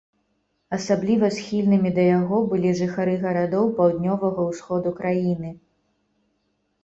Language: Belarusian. Асабліва схільнымі да яго былі жыхары гарадоў паўднёвага ўсходу краіны.